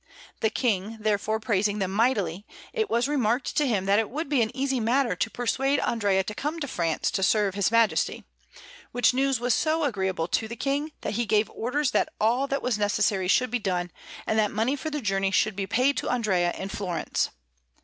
The King therefore praising them mightily, it was remarked to him that it would be an easy matter to persuade Andrea to come to France to serve his Majesty; which news was so agreeable to the King, that he gave orders that all that was necessary should be done, and that money for the journey should be paid to Andrea in Florence.